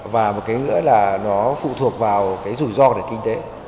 và một cái nữa là nó phụ thuộc vào rủi ro của kinh tế